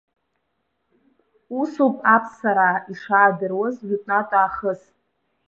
Усоуп аԥсараа ишаадыруаз жәытәнатәаахыс.